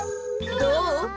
どう？